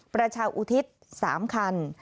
ประชาอุทิศ๓คัน